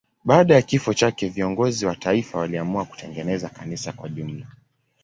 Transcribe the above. Baada ya kifo chake viongozi wa taifa waliamua kutengeneza kanisa kwa jumla.